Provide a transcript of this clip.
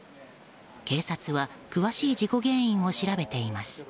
警察は詳しい事故原因を調べています。